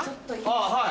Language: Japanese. あぁはい。